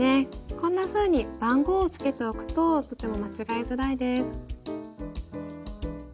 こんなふうに番号をつけておくととても間違えづらいです。